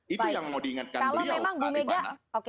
itu yang mau diingatkan beliau